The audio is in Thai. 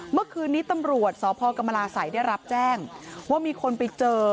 เมื่อคืนนี้ตำรวจสพกรรมราศัยได้รับแจ้งว่ามีคนไปเจอ